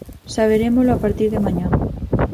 Saberémolo a partir de mañá.